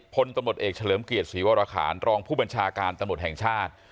พลตำรวจเอกเฉลิมเกียรติศรีวรคารรองผู้บัญชาการตำรวจแห่งชาติ